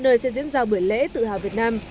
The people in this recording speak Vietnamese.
nơi sẽ diễn ra buổi lễ tự hào việt nam